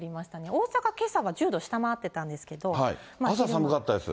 大阪、けさは１０度下回ってたん朝寒かったです。